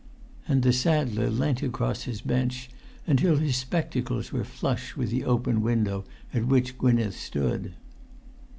And the saddler leant across his bench until his spectacles were flush with the open window at which Gwynneth stood.